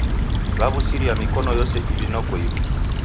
Waw'usiria mikonu yose iw'i noko ighu.